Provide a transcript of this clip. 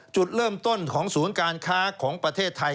จุดเริ่มต้นของศูนย์การค้าของประเทศไทย